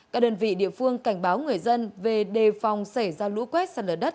các đơn vị địa phương cảnh báo người dân về đề phòng xảy ra lũ quét sạt lở đất